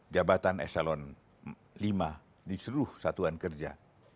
jabatan eselon lima di seluruh satuan kerja